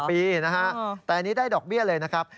ปีนะฮะแต่อันนี้ได้ดอกเบี้ยเลยนะครับ